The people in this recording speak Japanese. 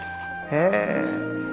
へえ。